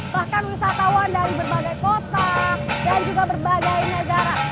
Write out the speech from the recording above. bahkan wisatawan dari berbagai kota dan juga berbagai negara